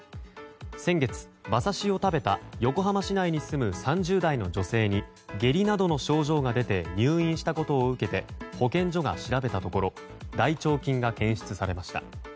先月、馬刺しを食べた横浜市内に住む３０代の女性に下痢などの症状が出て入院したことを受けて保健所が調べたところ大腸菌が検出されました。